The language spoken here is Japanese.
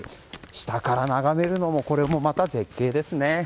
下から眺めるのもこれもまた絶景ですね。